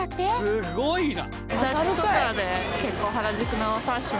すごいな。